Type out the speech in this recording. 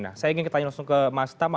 saya ingin bertanya langsung ke mas tama